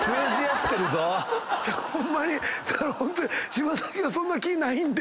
柴咲はそんな気ないんで。